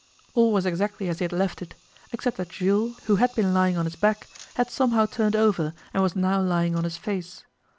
All was exactly as he had left it, except that Jules who had been lying on his back, had somehow turned over and was now lying on his face.